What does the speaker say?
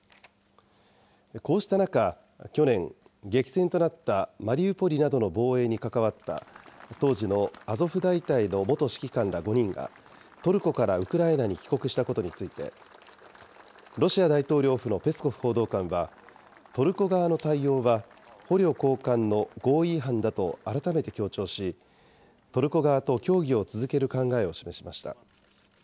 こうした中、去年、激戦となったマリウポリなどの防衛に関わった当時のアゾフ大隊の元指揮官ら５人が、トルコからウクライナに帰国したことについて、ロシア大統領府のペスコフ報道官は、トルコ側の対応は、捕虜交換の合意違反だと改めて強調し、トルコ側と協議を続ける考えを示しました。